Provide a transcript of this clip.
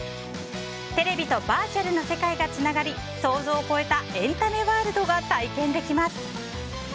テレビとバーチャルの世界がつながり想像を超えたエンタメワールドが体験できます。